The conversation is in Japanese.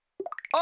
あ！